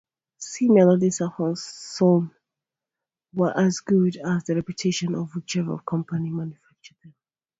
C melody saxophones were as good as the reputation of whichever company manufactured them.